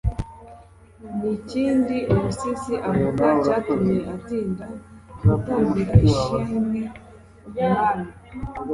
ni iki umusizi avuga cyatumye atinda gutambira ishimwe umwami’